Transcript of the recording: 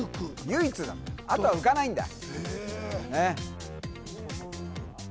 唯一あとは浮かないんだ。